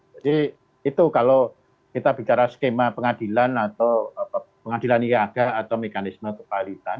jadi itu kalau kita bicara skema pengadilan atau pengadilan niaga atau mekanisme kepalitan